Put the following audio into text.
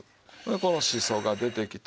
このしそが出てきて。